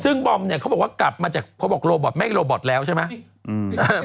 ซึ่งบอมเนี่ยเขาบอกว่ากลับมาจากเขาบอกโรบอตไม่โรบอตแล้วใช่ไหม